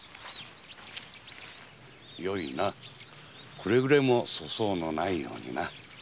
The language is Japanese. くれぐれも粗相のないようにな。